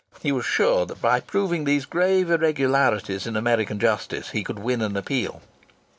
He was sure that by proving these grave irregularities in American justice he could win an appeal.